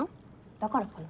だからかな？